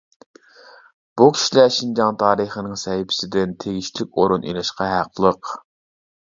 بۇ كىشىلەر شىنجاڭ تارىخىنىڭ سەھىپىسىدىن تېگىشلىك ئورۇن ئېلىشقا ھەقلىق.